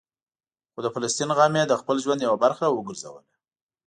خو د فلسطین غم یې د خپل ژوند یوه برخه وګرځوله.